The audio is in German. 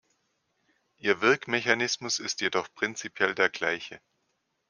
Ihr Wirkmechanismus ist jedoch prinzipiell der gleiche.